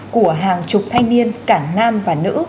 của hàng chục thanh niên cảng nam và nữ